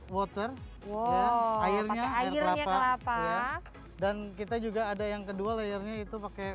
watcher wow akhirnya akhirnya kelapa dan kita juga ada yang kedua layarnya itu pakai